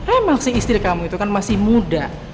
emang si istri kamu itu kan masih muda